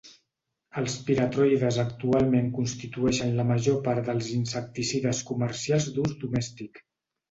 Els piretroides actualment constitueixen la major part dels insecticides comercials d'ús domèstic.